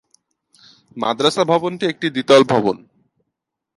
মাদ্রাসা ভবনটি একটি দ্বিতল ভবন।